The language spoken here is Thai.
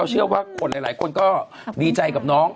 เชื่อว่าคนหลายคนก็ดีใจกับน้อง